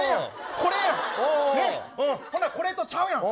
ほな、これとちゃうやん。